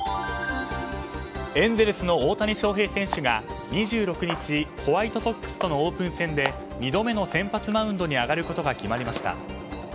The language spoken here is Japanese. エンゼルスの大谷翔平選手が２６日ホワイトソックスとのオープン戦で２度目の先発マウンドに上がることが決まりました。